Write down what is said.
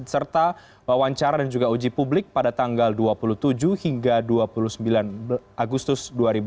serta wawancara dan juga uji publik pada tanggal dua puluh tujuh hingga dua puluh sembilan agustus dua ribu dua puluh